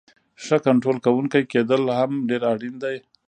ښه کنټرول کوونکی کیدل هم ډیر اړین دی.